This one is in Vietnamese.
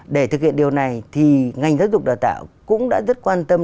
để thực hiện điều này thì ngành giáo dục đào tạo cũng đã rất quan tâm